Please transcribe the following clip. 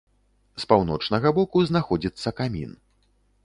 З паўночнага боку знаходзіцца камін.